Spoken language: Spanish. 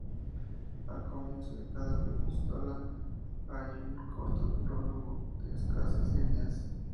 Al comienzo de cada epístola hay un corto prólogo de escasas líneas.